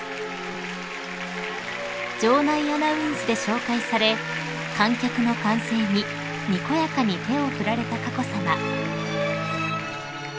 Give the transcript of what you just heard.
［場内アナウンスで紹介され観客の歓声ににこやかに手を振られた佳子さま］